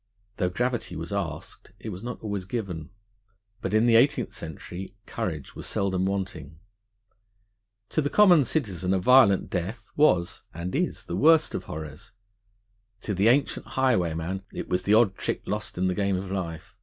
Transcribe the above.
Though gravity was asked, it was not always given; but in the Eighteenth Century courage was seldom wanting. To the common citizen a violent death was (and is) the worst of horrors; to the ancient highwayman it was the odd trick lost in the game of life.